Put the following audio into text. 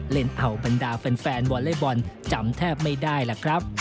เล่นเอาบรรดาแฟนบอลเล่นบอลจำแทบไม่ได้แหละครับ